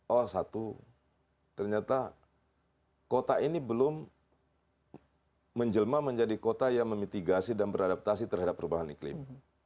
oh satu ternyata kota ini belum menjelma menjadi kota yang memitigasi dan beradaptasi terhadap perubahan iklim